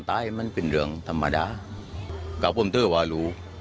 คงไม่สมมุติขาเพื่อให้ฟังพันธ์และฝ่ายร่างที่เราอยู่